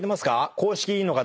公式委員の方。